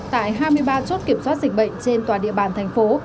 tại hai mươi ba chốt kiểm soát dịch bệnh trên toàn địa bàn thành phố